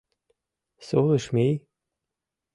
Сулыш мий